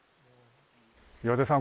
岩出さん